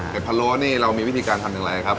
พะโล้นี่เรามีวิธีการทำอย่างไรครับ